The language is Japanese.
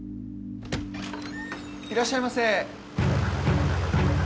いらっしゃいませ。